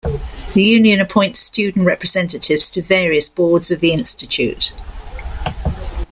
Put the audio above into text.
The union appoints student representatives to various boards of the Institute.